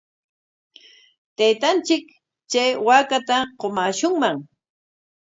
Taytanchik chay waakata qumaashunman.